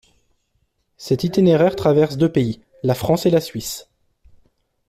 Cet itinéraire traverse deux pays, la France et la Suisse.